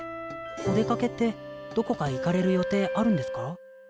お出かけってどこか行かれる予定あるんですか？